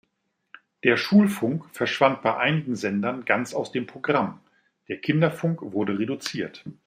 Der Schulfunk verschwand bei einigen Sendern ganz aus dem Programm, der Kinderfunk wurde reduziert.